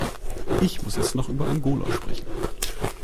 Ich muss jetzt noch über Angola sprechen.